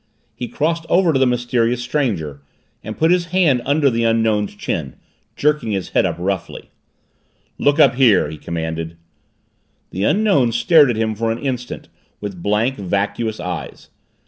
He crossed over to the mysterious stranger and put his hand under the Unknown's chin, jerking his head up roughly. "Look up here!" he commanded. The Unknown stared at him for an instant with blank, vacuous eyes.